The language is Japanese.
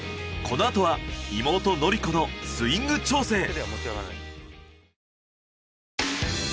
このあとは妹宜子のスイング調整。